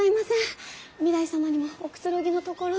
御台様にもおくつろぎのところ。